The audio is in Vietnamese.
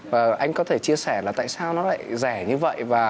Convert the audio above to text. và anh có thể chia sẻ là tại sao nó lại rẻ như vậy